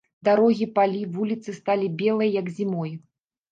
Дарогі, палі, вуліцы сталі белыя, як зімой.